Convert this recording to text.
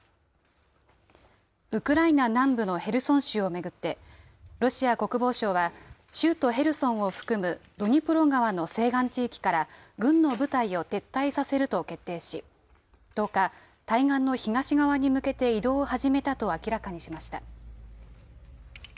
ウクライナ南部のヘルソン州を巡って、ロシア国防省は、州都ヘルソンを含むドニプロ川の西岸地域から、軍の部隊を撤退させると決定し、１０日、対岸の東側に向けて移動を始めたと明らかにしました。